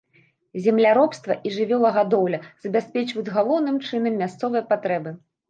Земляробства і жывёлагадоўля забяспечваюць галоўным чынам мясцовыя патрэбы.